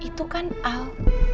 itu kan al